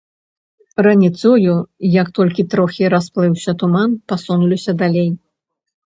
Раніцою, як толькі трохі расплыўся туман, пасунуліся далей.